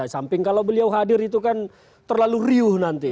samping kalau beliau hadir itu kan terlalu riuh nanti